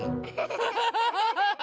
ハハハハハハ。